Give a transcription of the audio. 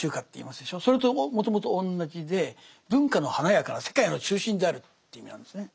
それともともと同じで文化の華やかな世界の中心であるという意味なんですね。